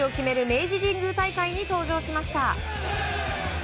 明治神宮大会に登場しました。